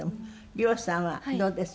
ＲＩＯさんはどうです？